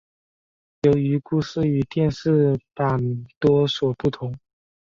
由于故事与电视版多所不同。